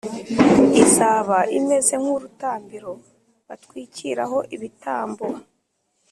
izaba imeze nk’urutambiro batwikiraho ibitambo.